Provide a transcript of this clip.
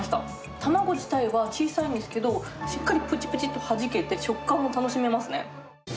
卵自体は小さいんですけど、しっかりぷちぷちっとはじけて、食感も楽しめますね。